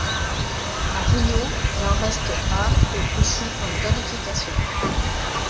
À Rio elle en reste à et échoue en qualifications.